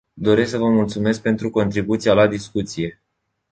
Doresc să vă mulțumesc pentru contribuția la discuție.